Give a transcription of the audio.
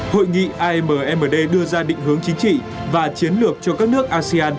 hội nghị ammd đưa ra định hướng chính trị và chiến lược cho các nước asean